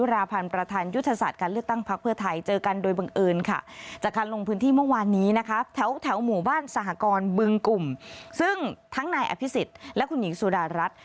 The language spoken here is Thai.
บ้านสหกรณ์เบื้องกลุ่มซึ่งทั้งนายอภิษฎและคุณหญิงสุดารัส